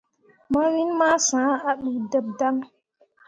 Mawin ma sã ah ɗuudeb dan.